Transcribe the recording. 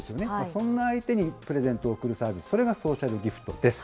そんな相手にプレゼントを贈るサービス、それがソーシャルギフトです。